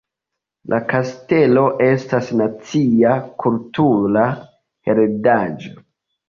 La kastelo estas nacia kultura heredaĵo.